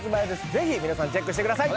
ぜひ皆さんチェックしてください